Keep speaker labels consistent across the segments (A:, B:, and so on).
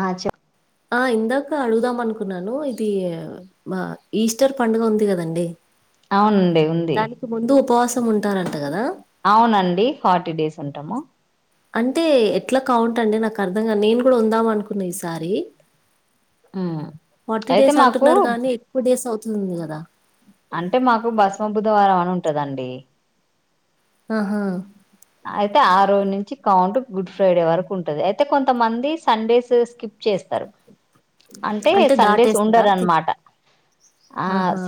A: ఆ చెప్
B: ఆ ఇందాక అడుగుదాం అనుకున్నాను ఇది మా ఈస్టర్ పండుగ ఉంది కదా అండి
A: అవునండి ఉంది
B: ఉపవాసం ఉంటారంట కదా
A: అవునండి ఫార్టీ డేస్ ఉంటాము
B: అంటే ఎట్లా కౌంట్ అండి నాకు అర్థంగా నేను కూడా ఉందాం అనుకున్నా ఈసారి
A: ఉమ్
B: ఫార్టీ
A: అయితే
B: డేస్
A: మాకు
B: అంటున్నారు కాగానీ ఎక్కువ డేస్ అవుతు [unintelligible] కదా
A: అంటే మాకు బస్మ బుధవారం అని ఉంటదండి
B: ఆహా
A: అయితే ఆ రోజు నుంచి కౌంట్ గుడ్ ఫ్రైడే వరకు ఉంటది అయితే కొంతమంది సండేస్ స్కిప్ చేస్తారు అంటే సండేస్
B: దాటేస్తారా
A: ఉండరు
B: చి
A: అనమాట
B: ఆహా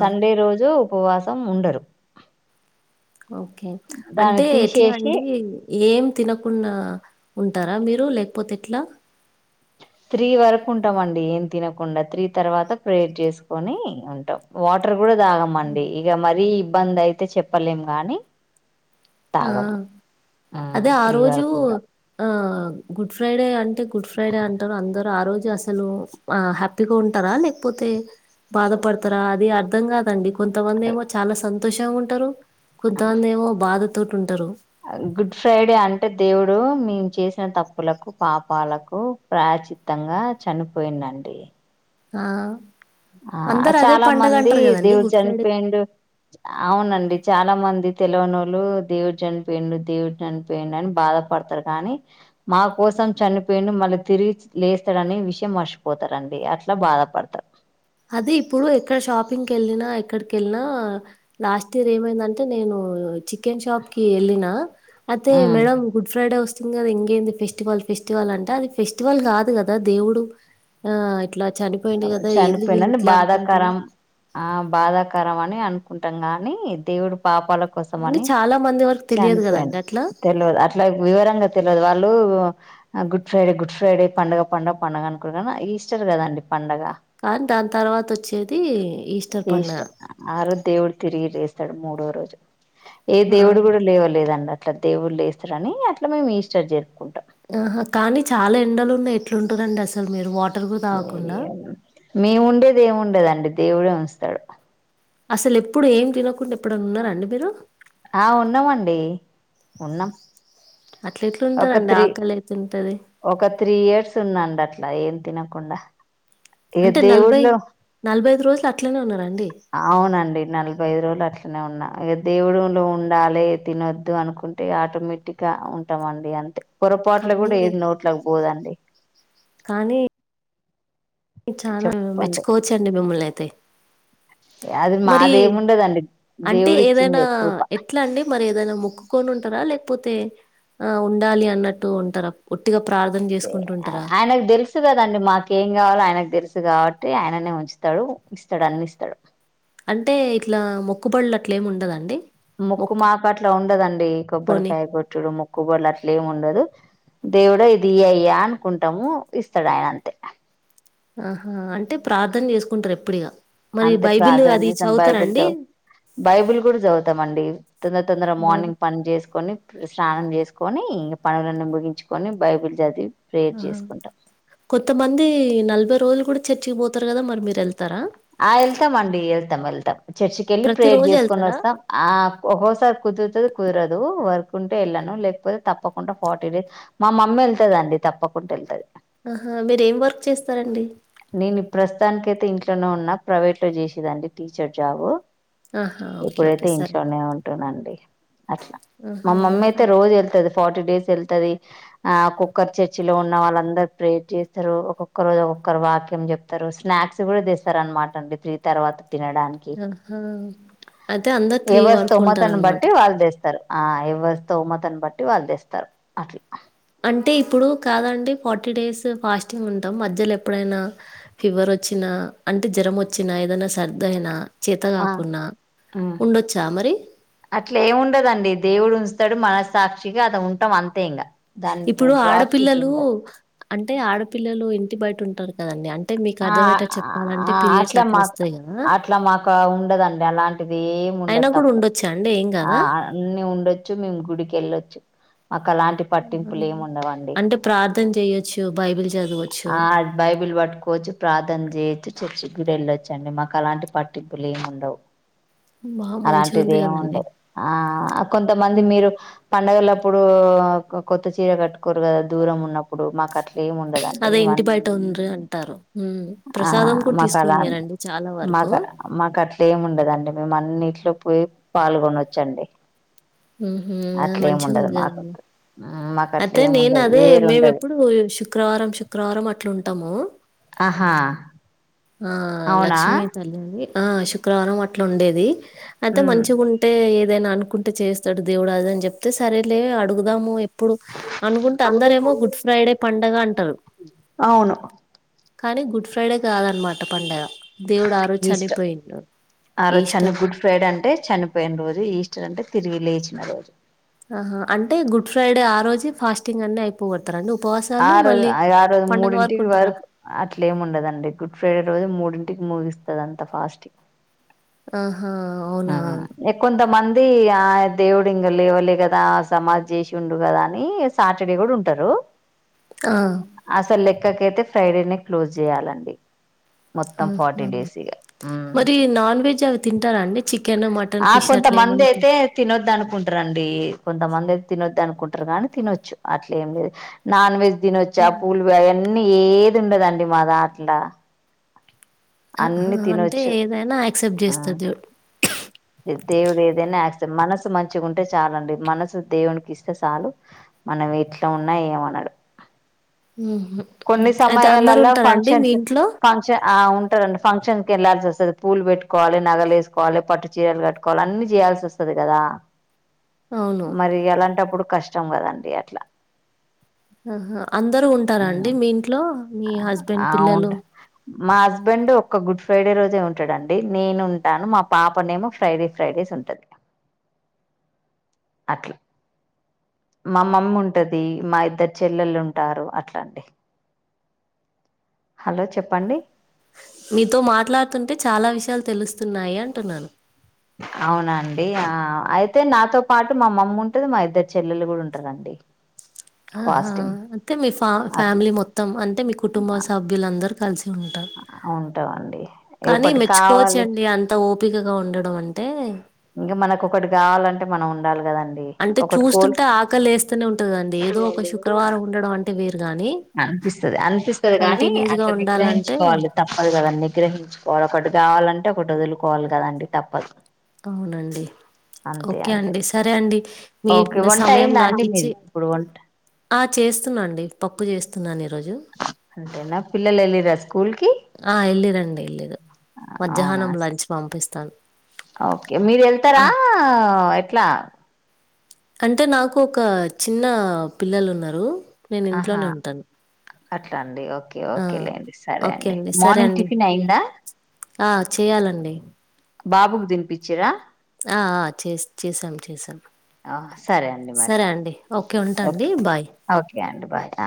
A: ఉపవాసం ఉండరు
B: ఓకే
A: దాన్ని
B: అంటే ఎట్లా
A: తీసేసి
B: అండి ఏం తినకుండా ఉంటారా మీరు లేకపోతే ఎట్లా
A: త్రీ వరకు ఉంటాం అండి ఏం తినకుండా త్రీ తర్వాత ప్రేయర్ చేసుకొని ఉంటాం వాటర్ కూడాదగమండడి ఇక మరి ఇబ్బంది అయితే చెప్పలేం గాని
B: ఆ
A: తాగం
B: అదే ఆ
A: త్రీ
B: రోజు
A: వరకు ఉంటా
B: ఆ గుడ్ ఫ్రైడే అంటే గుడ్ ఫ్రైడే అంటారు అందరు ఆ రోజు అసలు హ్యాపీగా ఉంటారా లేకపోతే బాధపడతారా అది అర్థం కాదండి కొంతమంది ఏమో చాలా స సంతోషంగా ఉంటారు [unintelligible] బాధ తోటి ఉంటారు
A: గుడ్ ఫ్రైడే అంటే దేవుడు ఇప్పుడు మేము చేసిన తప్పులకు పాపాలకు ప్రాచితంగా చనిపోయిందండి
B: ఆ
A: ఆ
B: అందరు అదే
A: చాలా
B: పండగ
A: మంది
B: అంటారు కదండి
A: దేవుడు
B: గుడ్ ఫ్రైడే
A: చనిపోయిండు అవునండి చాలా మంది తెలవణ వాళ్ళలు దేవుడు చనిపోయిండు దేవుడు చనిపోయిడు అని బాధపడతారు కానీ మా కోసం చనిపోయిండు మళ్ళీ తిరిగి లేస్తాడుని విషయం మర్చిపోతారుండి అట్లా బాధపడతారు
B: అదే ఇప్పుడు ఎక్కడ షాపింగ్కి వెళ్ళినా ఎక్కడిక వెళ్ళినా లాస్ట్ ఇయర్ ఏమైందంటే నేను చికెన్షాప్ కి ఎల్నా అే
A: ఉమ్
B: మేడ గుడ్ ఫ్రైడే వస్త ఖ ఎంేంది ఫెస్టివల్ ఫెస్టివల్ అంటే అది ఫెస్టివల్ కాదు కదా దేవుడు ఆ ఇట్లా చనిపోయింది కదా ఇది
A: పోయిందండి బాధాకరం ఆ బాధాకర అని అనుకుంటాం గాని దేవుడు పాపాల కోసం
B: కానీ
A: అని
B: చాలా మంది వరకు తెలియదు గదండీ
A: చనిపోయాను
B: అట్లా.
A: తెలియదు అట్లా వివరంగా తెలియదు వాళ్ళు గుడ్ ఫ్రైడే గుడ్ ఫ్రైడే పండుగ పండుగ పండగ అనుకు ఈస్టర్ కదండి పండగ
B: కానీ దాని తర్వాత వచ్చేది ఈస్టర్ పండుగ
A: ఆ రోజు దేవుడు తిరిగి రేస్తాడు మూడో రోజు ఏ
B: ఆ!
A: దేవుడు కూడా లేవలేదన్న అట్లా దేవుళ్ళ వేస్తారని అట్లా మేము ఈస్టర్ జరుపుకుంటాం
B: ఆహా కానీ చాలా ఎండలు ఉన్నాయి ఎట్లుంటుందండి అసలు మీరు వా
A: మేము ఉండేది ఏమి వుండదు అండి దేవుడు అంస్తాడు
B: అసలు ఎప్పుడు ఏం తినకుండా ఎప్పుడైనా ఉన్నండి మీరు
A: ఆ ఉన్నామ అండి ఉన్నాం
B: అట్ల
A: ఒక
B: ఎట్లుంటారండి
A: త్రీ
B: ఆకలి అయితుంటది
A: ఒక త్రీ ఇయర్స్ ఉందండి అట్లా ఏం తినకు కుండా ఇక
B: అంటే నలభై
A: దేవుళ్ళ
B: నలభై ఐదు రోజులు అట్లనే ఉన్నారండి
A: అవునండి నలభై ఐదు రోజులు అట్లనే ఉన్నా అే దేవుడు లో ఉండాలి తినొద్దు అనుకుంటే ఆటోమేటిక్ గా ఉ ఉంటం అండి అంటే పొరపాట్లు
B: కానీ
A: కూడా ఏది నోట్లకు పోదండి
B: చాలా
A: చెప్పండి
B: మెచ్చుకోవచ్చ అండి మిమ్మల్ని అయి తాయ్
A: అది మాదేమిండదండి
B: అంటే
A: దేవుడు
B: ఏదైనా
A: ఇచ్చింది కృప
B: ఎట్లా అండి మరి ఏదైనా మొక్కుకొని ఉంటారా లేకపోతే ఆ ఉండాలి అన్నట్టు ఉంటారా ఒటిగా
A: ఆయనకు తెలుసు కదండి మాక ఏం కావాలో ఆయన కు తెలుసు కాబట్టి ఆయననే ఉంచుతాడు ఇస్తాడు అన్ని ఇస్తాడు
B: అంటే ఇట్లా మొక్కుబళ్ళ అట్ల ఏమి ఉండదండి
A: ముక్కు మాకు అట్ల ఉండదండి
B: మొక్కుకొని
A: కొబ్బరికాయ కొట్టుడు ముక్కు బొడ్లు అట్లమి ఉండదు దేవుడు ఇది ఇ అయ్యా అనుకుంటాము ఇస్తాడు ఆయన అంతే
B: ఆహా అంటే ప్రార్థన చేసుకుంటారు ఎప్పుడిగా మరి
A: అంతే
B: బైబిల్
A: ప్రార్ధన
B: అది
A: చేసాం బైబిల్
B: చదువుతారండి
A: చదు బైబిల్ కూడా చదువుతాం అండి తొందర తొందరగా
B: బైబిల్
A: మార్నింగ్ పని చేసుకొని స్నానం చేసుకొని ఇంకా పనులన్నీ ముగించుకొని బైబుల్ చదివి ప్రేయర్
B: ఆహా
A: చేసుకుంటాం
B: కొంత మంది నలభై రోజులు కూడా చచ్చికిపోతారు కదా మ మీరుళ్
A: ఆ వెళ్తాం అండి వెళ్తాం వెళ్తాం చర్చికి వెళ్ళి ప్రేయర్
B: ప్రతిరోజు
A: చేసుకొని
B: ఎళ్తారా?
A: వస్తాం ఆ ఒక్కోసారి కుదురుతుంది కుదరదు వర్క్ కు ఉంటే వెళ్ళాను లేకపోతే తప్పకుండా ఫార్టీ డేస్ మా మమ్మీ వెళ్తుదండి తప్పకుండా వెళ్తుది
B: ఆహా మీర ఏం వర్క్ చేస్తారండి
A: నేను ప్రస్తుతానిక అైతే ఇంట్లోనే ఉన్నా ప్రైవేట్ లో చేసేదండి టీచర్ జాబ
B: ఆహా! ఓకే. ఓకే.
A: ఇప్పుడైతే
B: సరే
A: ఇంట్లోనే
B: అండి.
A: ఉంటునండి అట్లా మమమ్మీ
B: ఆహ్,
A: అయితే
B: అద్
A: రోజు వెళ్తుంది ఫార్టీ డేస్ వెళ్తుది ఆ ఒక్కొక్కరు చర్చి లో ఉన్న వాళ్ళందరు ప్రేయర్ చేస్తారు ఒక్కొక్క రోజు ఒకరు వాక్యం చెప్తారు స్నాక్స్ కూడా తీస్తారు అనమాట అండి త్రీ తర్వాత తినడానికి
B: ఆహా! అయితే అందరు వరకు
A: ఏవస్తుమతను
B: ఉంటారనమాట.
A: బట్టి వాళ్ళు తెస్తారు ఆ ఎవరి స్థోమత బట్టి వాళ్ళు తెస్తారు అట్లా
B: అంటే ఇప్పుడు కాదండి ఫార్టీ డేస్ ఫాస్టింగ్ ఉంటాం మధ్యలో ఎప్పుడైనా ఫీవర్ వచ్చినా అంటే జ్వరం వచ్చినా ఏదైనా సర్దుయినా
A: ఆ
B: మరి?
A: అట్లా ఏముండదండి దేవుడు ఉంచుాడు మనస్సాక్షిగా అద ఉంటు ఉంటాం అంతే ఇంకా
B: ఇప్పుడు ఆడపిల్లలు అంటే ఆడపిల్లలు ఇంటి బయట ఉంటారు కదండి అంటే మీకు
A: ఆ
B: అర్థమయ్యేటట్టు చెప్పాలంటే పీరియడ్స్
A: అట్లా మాకు
B: వస్తాయి కదా
A: అట్లా మాకు ఉండదండి అలాంటిది ఏమి
B: అయినా
A: ఉండదు
B: కూడా
A: తప్పు
B: ఉండొచ్చా అండి ఏం
A: ఆ
B: కాదా
A: అన్ని ఉండొచ్చు మేము గుడికి వెళ్ళొచ్చు మాకు అలాంటి పట్టింపులు ఏము ఉండవండి
B: అంటే ప్రార్థన చేయొచ్చు బైబిల్ చదవచ్చు
A: ఆ బైబిల్ పట్టుకోవచ్చు ప్రార్థన చేయొచ్చు చర్చ్ గుడ వెళ్ళొచ్చండి మాకు అలాంటి పట్టింపులు ఏమి ఉండవు
B: బా మంచిగా
A: అలాంటిది
B: ఉంది
A: ఏమి
B: కదండి
A: ఉండదు ఆ కొంతమంది మీరు పండగలప్పుడు కొత్త చీర కట్టుకోరు కదా దూరం ఉన్నప్పుడు మాకు అట్లే ఏమి ఉండదు
B: అదే
A: మేమన్న
B: ఇంటి బయట ఉండ్రి అంటారు ఉమ్
A: ఆ
B: ప్రసాదం కూడా
A: మాకు అలా
B: తీసుకొనియరండి చాలా వరకు
A: మాకు మాకు అట్లా ఏమి ఉండదండి మేము అన్నిట్లో పోయి పాల్గొనవచ్చండి
B: ఉహు అది
A: అట్లేమి
B: మంచిగా
A: ఉండది
B: ఉంది కదండి
A: మాపక్క
B: అయితే నేను అదే మేము ఎప్పుడు శుక్రవారం శుక్రవారం అట్లు ఉంటాము
A: ఆహా
B: ఆ
A: అవునా
B: లక్ష్మీ తల్లి ఆ శుక్రవారం అట్లా ఉండేది అయితే మంచిగు ఉంటే ఏదైనా అనుకుంటే చేస్తాడు దేవుడు అద అని చెప్తే సరేలే లే అడుగుదాము ఇప్పుడు అనుకుంటే అందర
A: అనుకుంట
B: ఏమో
A: అందరూ
B: గుడ్ ఫ్రైడే పండగ అంటారు
A: అవును
B: కానీ గుడ్ ఫ్రైడే కాదు
A: ఈస్టర్
B: చనిపోయిండు.
A: ఆ రోజు చని
B: ఈస్టర్
A: గుడ్ ఫ్రైడే అంటే చనిపోయిన రోజు ఈస్ట అంటే తిరిగి లేయిచిన రోజు
B: ఆహా అంటే గుడ్ ఫ్రైడే ఆ రోజు ఫాస్టింగ్ అన్ని అయిపోవ
A: ఆ రోజు ఆ రోజు మూడింటికి వరకు అట్లేం ఉండదండి గుడ్ ఫ్రైడే రోజు మూడింటి టి ముగిస్తదంతా ఫాస్ట్ంగ్
B: ఆ
A: ఎకుంత మంత అది ఆ దేవుడు ఇంక లేవలే కదా సమాధి చేసి ఉండు కదా అని సాటర్డే కూడా ఉంటారు
B: ఆ!
A: అసలు ఇంకాకైతే ఫ్రైడేనే క్లోజ్ చేయ్యాలండి
B: ఉహు మరి నాన్ వెజ్ అవి తింటారా అండి చికెను, మటన్,
A: ఆ
B: ఫిష్ అట్లా
A: కొంతమంది
B: ఏమన్నా తిన్
A: అయితే తినొద్దు అనుకుంటరండి కొంతమంది అయితే తినొద్దు అనుకుంట అనుకుంటారు కానీ తినొచ్చు అట్లే ఏం లేదు నాన్ వెజ్ తిన వచ్చా పూలు వ వన్నీ ఏది ఉండదండి మా దాంట్ల
B: హ
A: అన్ని
B: అంటే
A: తినొచ్చు
B: ఏదైనా అక్సెప్ట్
A: ఆ
B: చేస్తుంది
A: దేవుడు ఏదైనా యాక్సెప్ట్ మనసు మంచిగా ఉంటే చాల అండి మనసు దేవునికి ఇస్తే చాలు మనం ఎట్లా ఉన్నా ఏమనడు
B: ఉహు
A: కొన్ని
B: అయితే అందరు
A: సమయాలలో
B: ఉంటారండి మీ
A: ఫంక్షన్స్
B: ఇంట్లో
A: ఫంక్షన్ ఆ ఉంటారండి ఫంక్షన్ కి వెళ్లాల్సి వస్తుంది పూల్లు పెట్టు కట్టుకోవాలి నగలు వేసుకోవాలి పట్టు చీరలు కట్టుకోవాలి అన్ని చేయాల్సి వస్తది కదా
B: అవును.
A: మరి ఎలాంటప్పుడు కష్టం కష్టం కదండి అట్లా
B: ఆహా అందరూ ఉంటారా అండి
A: ఉమ్.
B: మీ ఇంట్లో మీ హస్బెండ్,
A: ఆ
B: పిల్లలు?
A: ఉంటారు మా హస్బెండ్ ఒక గుడ్ ఫ్రైడే రోజే ఉంటాడండి నేను ఉంటాను మా పాపనేమో ఫ్రైడే ఫ్రైడేస్ ఉంటది అట్లా మా మమ్మీ ఉంటది మా ఇద్దరు చెల్లెలు ఉంటారు అట్లాండి హలో చెప్పండి
B: మీతో మాట్లాడుతుంటే చాలా విషయాలు తెలుస్తయి తున్నాయి అంటున్నాను
A: అవునండి ఆ అయితే నాతో పాటు మా మమ్మి ఉంటది మా ఇద్దరు చెల్లెలు కూడా ఉంటారండి
B: ఆహా
A: ఫాస్టింగ్
B: అంటే మీ ఫ
A: అట్లా
B: ఫ్యామిలీ మొత్తం అంటే మీకు కుటుంబ సభ్యులంద అందరూ కలిసి ఉంటా
A: ఉంటామండి
B: కానీ
A: ఒకటి కావాలి
B: మెచ్చుకోవచ్చండి అంత ఓపికగా ఉండడం అంటే
A: ఇంగ మన కొకటి కావాలంటే మనం ఉండాలి కదండి
B: అంటే
A: ఒకటి కోల్
B: చూస్తుంటే ఆకలి ఎస్తనే ఉంటది అండి ఏదో ఒక శుక్రవారం ఉండడం అంటే వేరు గాని
A: అనిపిస్తది అనిపిస్తది గాని
B: కంటిన్యూస్గా
A: అట్లా
B: ఉండాలంటే
A: నిగ్రహించుకోవాలి తప్పదు కద నిగ్రహించుకోవాలి ఒకటి కావాలంటే ఒకటి వదులుకోవాలి కదండి తప్పదు
B: అవునండి
A: అంతే
B: ఓకే
A: అంతే
B: అండి సరే అండి మీ
A: ఓకే వంట
B: సమయం
A: అయిందా అండి
B: నాకిచ్చి
A: మీది ఇప్పుడు వంట
B: ఆ చేస్తున్నాండి ప పప్పు చేస్తున్నాను ఈ రోజు
A: అంతేనా పిల్లలు ఎల్లిరా స్కూల్ ఉల్కి
B: ఆ ఎల్లిరండి యెల్లిదు
A: అవునా ఓకే మీరు ఎళ్తారా
B: ఆ
A: ఎట్లా
B: అంటే నాకు ఒక చిన్న పిల్లలున్నరు నేను ఇంట్లోనే ఉంటాను
A: కట్లండి ఓ ఓకే
B: ఆ
A: ఓకేలేండి సరే
B: ఓకే
A: అండి
B: సరే
A: మార్నింగ్
B: అండి
A: టిఫిన్ అయిందా
B: ఆ చేయాలండి
A: బాబుకి తినిపిచ్చిరా
B: ఆ ఆ చే చేసాం చేసాం
A: ఆ, సరే అండి మరి
B: సరే అండి ఓకే ఉంటాండి
A: ఓకే
B: బాయ్
A: ఓకే అండి బాయ్ ఆ